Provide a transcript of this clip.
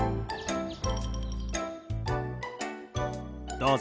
どうぞ。